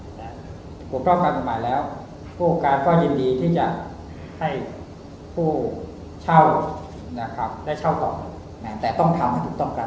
หยุดครองการหมายแล้วผู้อุทพิภาพยินติก็ยินดีที่จะให้ผู้เช่าอยากเลื่อนกับผู้ไถ้